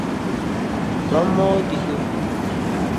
ব্রহ্ম ‘দ্বিতীয়হীন’।